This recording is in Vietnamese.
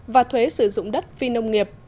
và thuế sử dụng đất phi nông nghiệp